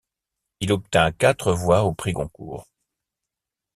Il obtint quatre voix au prix Goncourt.